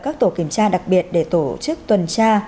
các tổ kiểm tra đặc biệt để tổ chức tuần tra